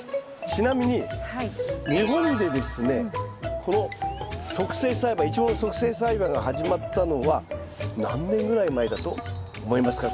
ちなみに日本でですねこの促成栽培イチゴの促成栽培が始まったのは何年ぐらい前だと思いますか？